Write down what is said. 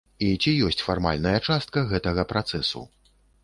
І ці ёсць фармальная частка гэтага працэсу.